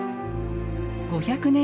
５００年